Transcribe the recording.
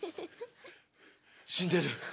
死んでる。